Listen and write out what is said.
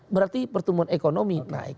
berarti pertumbuhan ekonomi naik